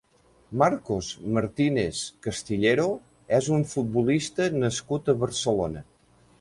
Marcos Martínez Castillero és un futbolista nascut a Barcelona.